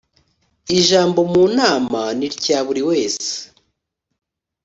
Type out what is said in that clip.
ijambo mu nama nityaburiwese.